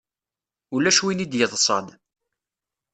Ulac win i d-yeḍṣan.